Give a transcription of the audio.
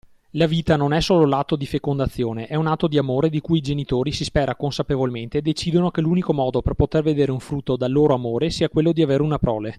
La vita non è solo l'atto di fecondazione è un atto di amore di cui i genitori, si spera consapevolmente, decidono che l'unico modo per poter vedere un frutto dal loro amore sia quello di avere una prole.